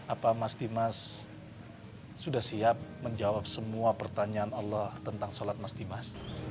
apa mas dimas sudah siap menjawab semua pertanyaan allah tentang sholat mas dimas